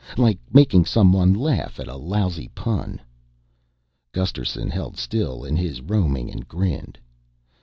Like making someone laugh at a lousy pun." Gusterson held still in his roaming and grinned.